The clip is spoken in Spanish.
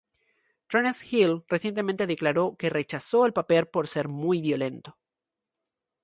Terence Hill, recientemente declaró que rechazó el papel por ser muy violento.